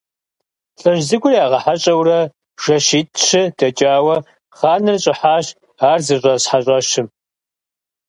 ЛӀыжь цӀыкӀур ягъэхьэщӀэурэ жэщитӀ-щы дэкӀауэ, хъаныр щӀыхьащ ар зыщӀэс хьэщӀэщым.